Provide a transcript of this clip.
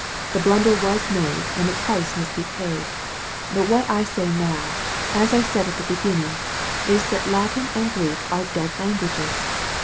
The blunder was made and the price must be paid. But what I say now, as I said at the beginning, is that Latin and Greek are dead languages.